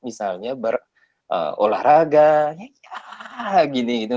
misalnya berolahraga ya ya